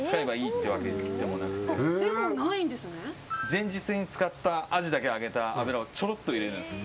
前日に使ったアジだけを揚げた油をちょろっと入れるんです。